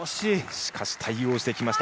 しかし対応してきました